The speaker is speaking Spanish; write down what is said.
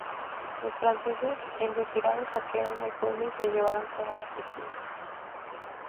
Los franceses en retirada saquearon el pueblo y se llevaron todo lo que pudieron.